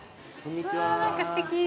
わあ何かすてき。